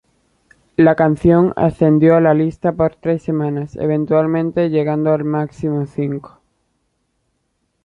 La canción ascendió a la lista por tres semanas eventualmente llegando al máximo cinco.